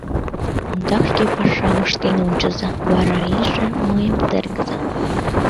Ондак шке пашам ыштен ончыза, вара иже мыйым тергыза...